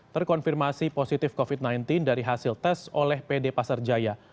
terkonfirmasi positif covid sembilan belas dari hasil tes oleh pd pasar jaya